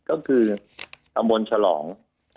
ก็คือตำบลฉลอง